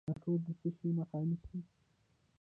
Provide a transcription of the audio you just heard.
کنټرول د څه شي مخه نیسي؟